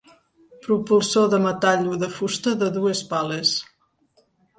Propulsor de metall o de fusta de dues pales.